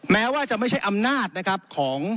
แม้ว่าจะไม่ใช่อำนาจนะครับของ